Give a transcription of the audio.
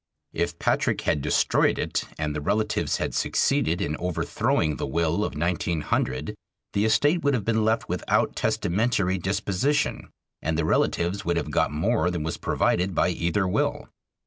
If Patrick had destroyed it and the relatives had succeeded in overthrowing the will of 1900, the estate would have been left without testamentary disposition and the relatives would have got more than was provided by either will.